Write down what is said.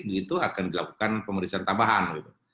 begitu akan dilakukan pemeriksaan tambahan gitu